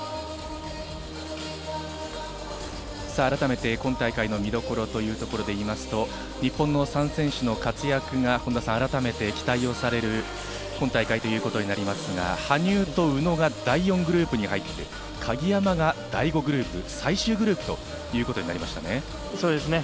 改めて今大会の見どころというところでいいますと、日本の３選手の活躍が本田さん、改めて期待をされる今大会ということになりますが、羽生と宇野が第４グループに入ってきて、鍵山が第５グループ、最終グループということになりましたね。